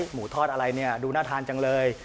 หมูทอดอะไรเนี่ยดูน่าทานจังเลย